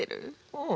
うん。